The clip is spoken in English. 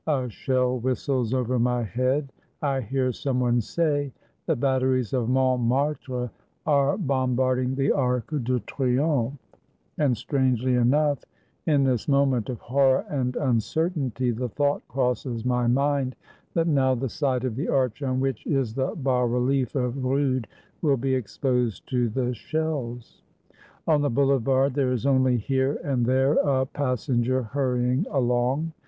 A shell whistles over my head. I hear some one say, "The batteries of Montmartre are bom barding the Arc de Triomphe"; and strangely enough, in this moment of horror and uncertainty, the thought crosses my mind that now the side of the arch on which is the bas rehef of Rude will be exposed to the shells. On the Boulevard there is only here and there a pas senger hurrying along.